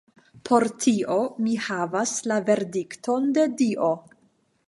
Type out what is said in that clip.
Por tio mi havas la verdikton de Dio.